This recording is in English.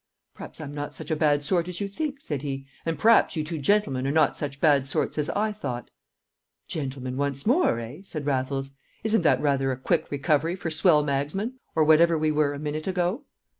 "P'r'aps I'm not such a bad sort as you think," said he. "An' p'r'aps you two gentlemen are not such bad sorts as I thought." "Gentlemen once more, eh?" said Raffles. "Isn't that rather a quick recovery for swell magsmen, or whatever we were a minute ago?"